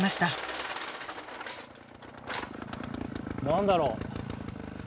何だろう？